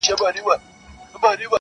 توبې راڅخه تښته چي موسم دی د ګلونو-